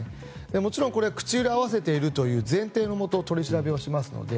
もちろん、口裏を合わせている前提のもと取り調べをしますので。